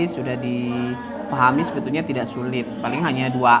sudah dipahami sebetulnya tidak sulit paling hanya dua